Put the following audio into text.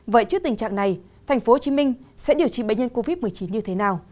vậy trước tình trạng này tp hcm sẽ điều trị bệnh nhân covid một mươi chín như thế nào